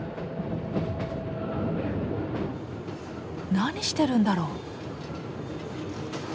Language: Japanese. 何してるんだろう？